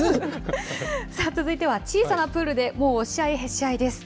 さあ続いては小さなプールで、もう押し合いへし合いです。